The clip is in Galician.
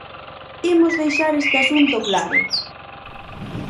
Imos deixar este asunto claro.